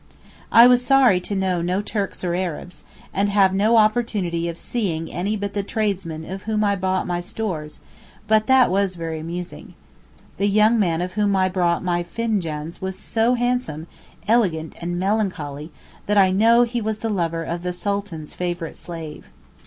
I was sorry to know no Turks or Arabs, and have no opportunity of seeing any but the tradesman of whom I bought my stores but that was very amusing. The young man of whom I bought my finjaans was so handsome, elegant and melancholy that I know he was the lover of the Sultan's favourite slave.